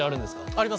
あります。